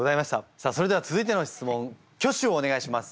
さあそれでは続いての質問挙手をお願いします！